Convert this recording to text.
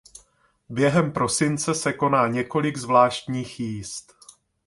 Během prosince se koná několik zvláštních jízd.